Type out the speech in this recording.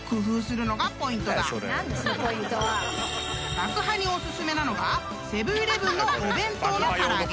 ［爆破にお薦めなのがセブン−イレブンのお弁当の唐揚げ］